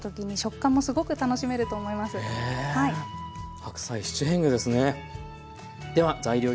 白菜七変化ですね。